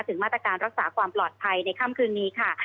มาตรการรักษาความปลอดภัยในค่ำคืนนี้ค่ะ